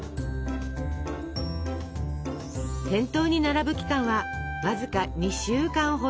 店頭に並ぶ期間はわずか２週間ほど。